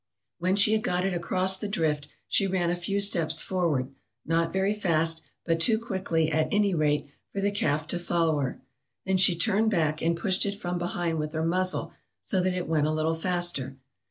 "When she had got it across the drift she ran a few steps forward, not very fast, but too quickly, at any rate, for the calf to follow her. Then she turned back and pushed it from behind with her muzzle, so that it went a little faster.